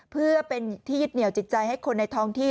เพื่อเป็นที่ยึดเหนียวจิตใจให้คนในท้องที่